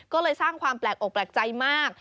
ก็เลยสร้างความแปลกอกแปลกใจมาก